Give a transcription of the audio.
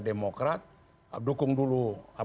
demokrat dukung dulu